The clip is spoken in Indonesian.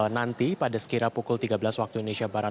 nanti pada sekira pukul tiga belas waktu indonesia barat